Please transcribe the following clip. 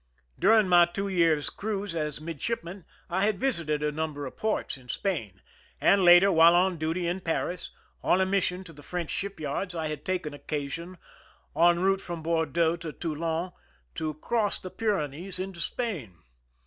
During my two years' cruise as midshipman I had visited a number of ports in Spain ; and later, while on duty in Paris, on a mission to the French shipyards, I had taken occasion, en route from Bordeaux to Toulon, to cross the Pyrenees into Spain.